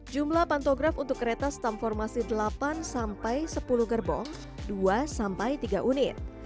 jumlah pantograf untuk kereta stamformasi delapan sampai sepuluh gerbong dua sampai tiga unit